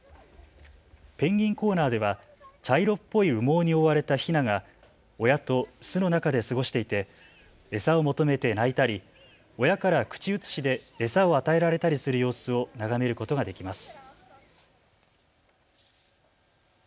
ペンギンコーナーでは茶色っぽい羽毛に覆われたひなが親と巣の中で過ごしていて餌を求めて鳴いたり親から口移しで餌を与えられたりする様子を眺めることができます。